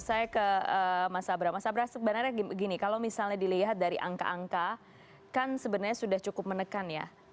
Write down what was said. saya ke mas abra mas abrah sebenarnya gini kalau misalnya dilihat dari angka angka kan sebenarnya sudah cukup menekan ya